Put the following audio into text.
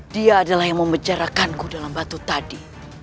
dia adalah yang memenjarakanku dalam batu tadi